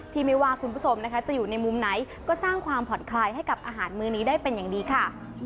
ไม่ว่าคุณผู้ชมนะคะจะอยู่ในมุมไหนก็สร้างความผ่อนคลายให้กับอาหารมือนี้ได้เป็นอย่างดีค่ะ